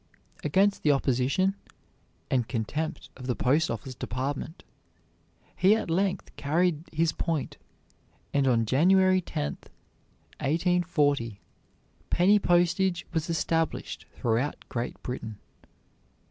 Against the opposition and contempt of the post office department he at length carried his point, and on January 10, 1840, penny postage was established throughout Great Britain.